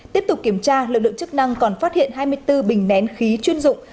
tiếp tục kiểm tra lực lượng chức năng còn phát hiện hai mươi bốn bình nén khí chuyên dụng